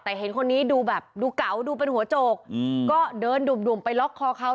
แต่เห็นคนนี้ดูแบบดูเก๋าดูเป็นหัวโจกก็เดินดุ่มไปล็อกคอเขา